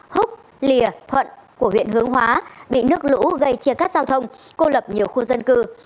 húc lìa thuận của huyện hướng hóa bị nước lũ gây chia cắt giao thông cô lập nhiều khu dân cư